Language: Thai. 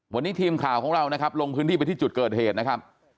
วันนี้ทีมข่าวของเรานะครับลงพื้นที่ไปที่จุดเกิดเหตุนะครับ